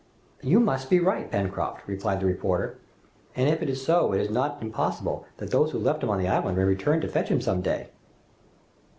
"You must be right, Pencroft," replied the reporter, "and if it is so it is not impossible that those who left him on the island may return to fetch him some day!"